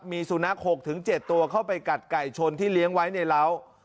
มีสุนัข๖๗ตัวเข้าไปกัดไก่ชนที่เลี้ยงไว้ในร้าว